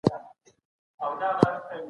تر پایه به ټولو زده کوونکو سندونه اخیستي وي.